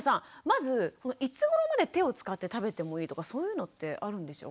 まずいつごろまで手を使って食べてもいいとかそういうのってあるんでしょうか？